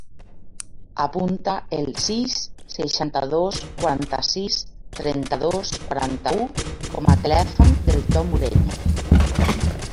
Apunta el sis, seixanta-dos, quaranta-sis, trenta-dos, quaranta-u com a telèfon del Tom Ureña.